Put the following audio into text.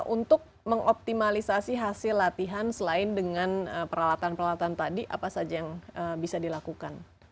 untuk mengoptimalisasi hasil latihan selain dengan peralatan peralatan tadi apa saja yang bisa dilakukan